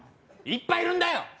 いっぱいいるんだよ！